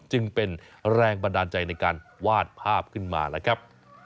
จึงเป็นแรงบันดาลใจในการวาดภาพขึ้นมาแล้วครับ